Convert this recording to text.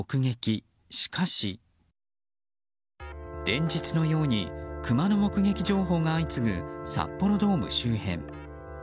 連日のようにクマの目撃情報が相次ぐ札幌ドーム周辺。